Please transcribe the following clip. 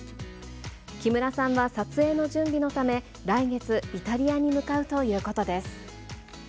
木村さんは撮影の準備のため、来月、イタリアに向かうということです。